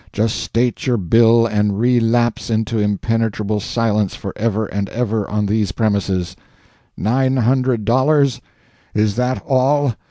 Just state your bill and relapse into impenetrable silence for ever and ever on these premises. Nine hundred, dollars? Is that all?